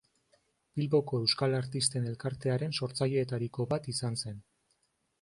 Bilboko Euskal Artisten Elkartearen sortzaileetariko bat izan zen.